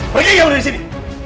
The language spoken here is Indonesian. pergi kamu dari sini